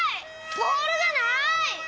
ボールがない！